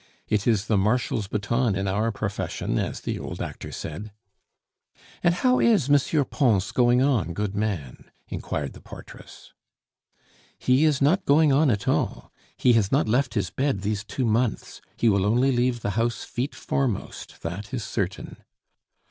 It is the marshal's baton in our profession, as the old actor said." "And how is M. Pons going on, good man?" inquired the portress. "He is not going on at all; he has not left his bed these two months. He will only leave the house feet foremost, that is certain."